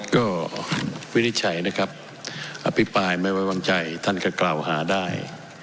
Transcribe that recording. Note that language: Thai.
ก็วินิจฉัยนะครับอภิปรายไม่ไว้วางใจท่านก็กล่าวหาได้